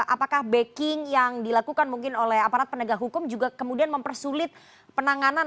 apakah backing yang dilakukan mungkin oleh aparat penegak hukum juga kemudian mempersulit penanganan